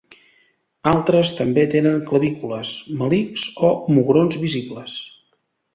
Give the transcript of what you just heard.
Altres també tenen clavícules, melics o mugrons visibles.